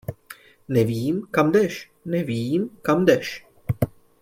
Nevím, kam jdeš, nevím, kam jdeš.